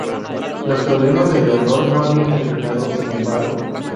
Los problemas de Leonor no habían terminado, sin embargo.